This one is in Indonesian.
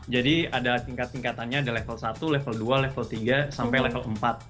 jadi ada tingkat tingkatannya ada level satu level dua level tiga sampai level empat